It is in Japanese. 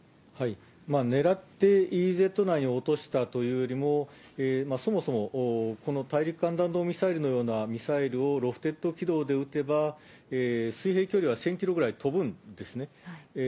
狙ってＥＥＺ内に落としたというよりも、そもそもこの大陸間弾道ミサイルのようなミサイルをロフテッド軌道で撃てば、水平距離は１０００キロぐらい飛ぶんですね。